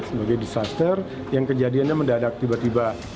sebagai disaster yang kejadiannya mendadak tiba tiba